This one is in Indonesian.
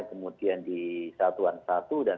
kemudian di satuan satu dan